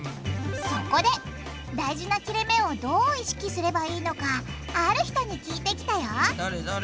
そこで大事な切れめをどう意識すればいいのかある人に聞いてきたよ誰？